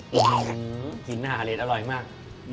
หินหูหาเลสอร่อยมาก